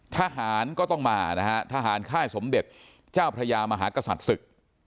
ทหารก็ต้องมานะฮะทหารค่ายสมเด็จเจ้าพระยามหากษัตริย์ศึก